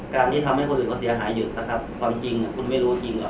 การที่ทำให้คนอื่นเขาเสียหายอยู่นะครับความจริงคุณไม่รู้จริงเหรอ